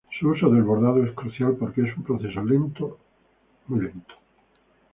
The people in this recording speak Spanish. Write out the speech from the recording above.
Su uso del bordado es crucial porque es un proceso lento y lento.